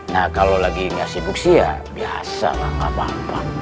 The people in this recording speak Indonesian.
nah kalo lagi ga sibuk sih ya biasalah gapapa